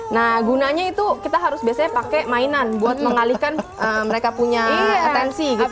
nah gunanya itu kita harus biasanya pakai mainan buat mengalihkan mereka punya atensi gitu